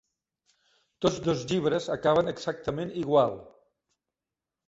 Tots dos llibres acaben exactament igual.